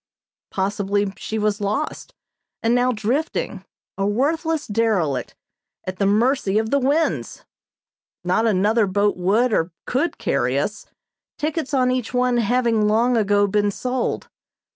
Possibly she was lost, and now drifting, a worthless derelict, at the mercy of the winds! Not another boat would or could carry us, tickets on each one having long ago been sold.